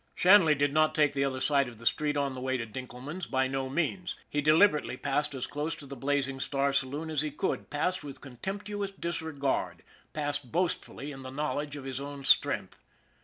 Shanley did not take the other side of the street on the way to Dinkelman's by no means. He deliber ately passed as close to the Blazing Star saloon as he could, passed with contemptuous disregard, passed boastfully in the knowledge of his own strength.